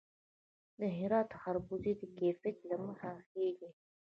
د هرات خربوزې د کیفیت له مخې ښې دي.